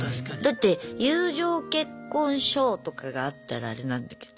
だって友情結婚証とかがあったらアレなんだけど。